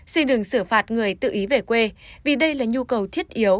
xin đừng xử phạt người tự ý về quê vì đây là nhu cầu thiết yếu